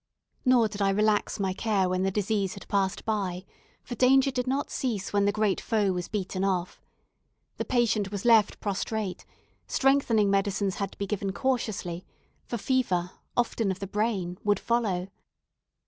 Nor did I relax my care when the disease had passed by, for danger did not cease when the great foe was beaten off. The patient was left prostrate; strengthening medicines had to be given cautiously, for fever, often of the brain, would follow.